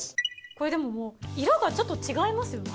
これでももう色がちょっと違いますよね。